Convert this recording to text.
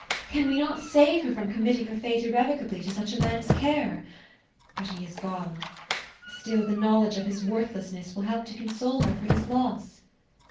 Can we not save her from committing her fate irrecoverably to such a man's care ? But he is gone ! Still, the knowledge of his worth lessness, will help to console her for his loss."